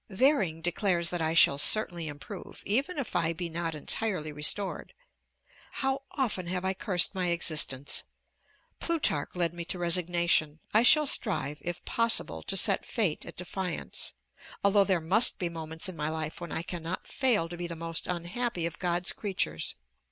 Vering declares that I shall certainly improve, even if I be not entirely restored. How often have I cursed my existence! Plutarch led me to resignation. I shall strive if possible to set Fate at defiance, although there must be moments in my life when I cannot fail to be the most unhappy of God's creatures.